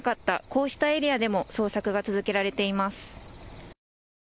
こうしたエリアでも捜索が続けられています。